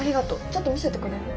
ちょっと見せてくれる？